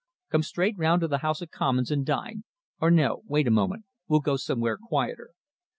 "Come straight round to the House of Commons and dine. Or no wait a moment we'll go somewhere quieter.